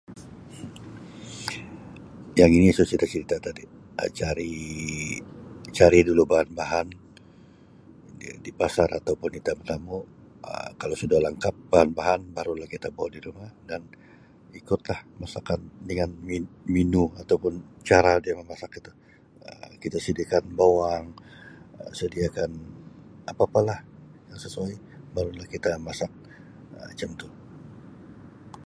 Yang ini saya sudah cerita tadi Um cari-cari dulu bahan-bahan di-di pasar atau pun di tapak tamu Um kalau sudah langkap bahan-bahan barulah kita bawa di rumah dan ikutlah masakan dengan men-menu atau pun cara dia memasak itu Um. Kita sediakan bawang, sediakan apa-apalah yang sesuai, barulah kita masak Um macam tu.